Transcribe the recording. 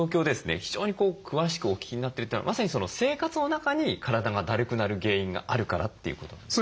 非常に詳しくお聞きになってるというのはまさにその生活の中に体がだるくなる原因があるからということなんですか？